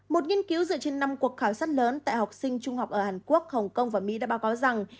một nghiên cứu dựa trên năm cuộc khảo sát lớn tại học sinh trung học ở hàn quốc hồng kông và mỹ đã báo cáo rằng